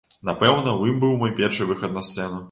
Напэўна, у ім быў мой першы выхад на сцэну.